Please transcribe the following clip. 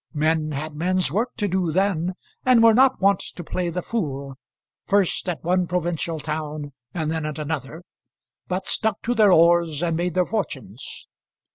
Men had men's work to do then, and were not wont to play the fool, first at one provincial town and then at another, but stuck to their oars and made their fortunes.